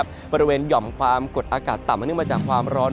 บริเวณหย่อมความกดอากาศต่ำมาเนื่องมาจากความร้อน